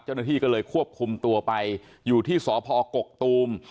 เจ้าหน้าที่ก็เลยควบคุมตัวไปอยู่ที่สพกกตูม